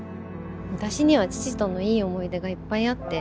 私には父とのいい思い出がいっぱいあって。